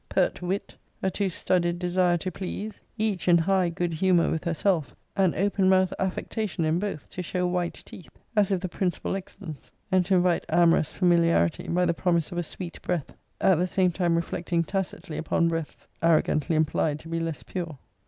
Pert wit, a too studied desire to please; each in high good humour with herself; an open mouth affectation in both, to show white teeth, as if the principal excellence; and to invite amorous familiarity, by the promise of a sweet breath; at the same time reflecting tacitly upon breaths arrogantly implied to be less pure.